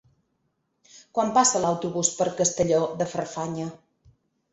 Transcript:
Quan passa l'autobús per Castelló de Farfanya?